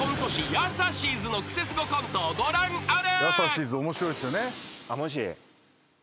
やさしいズのクセスゴコントをご覧あれ］